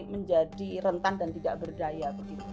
menjadi rentan dan tidak berdaya